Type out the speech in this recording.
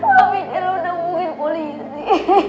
kamu menanggung polisi